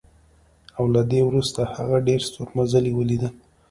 او له دې وروسته هغې ډېر ستورمزلي ولیدل